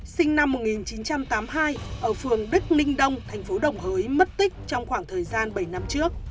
sinh năm một nghìn chín trăm tám mươi hai ở phường đức ninh đông thành phố đồng hới mất tích trong khoảng thời gian bảy năm trước